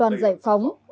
hoàn toàn giải phóng